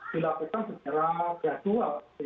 dilakukan secara gradual